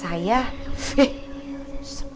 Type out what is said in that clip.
saya suka ditakut takutin jin sama kakak saya